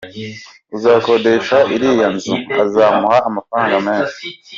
Uzakodesha iriya nzu azamuha amafaranga menshi.